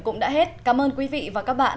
cũng đã hết cảm ơn quý vị và các bạn